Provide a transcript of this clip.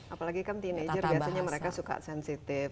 apalagi kan teenager biasanya mereka suka sensitif